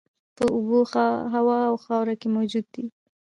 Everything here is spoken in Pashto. په اوبو، هوا او خاورو کې موجود دي.